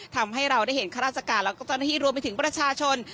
ทำให้เราได้เห็นฆาตรัสกาลและเข้าที่รวมไปถึงประชาชน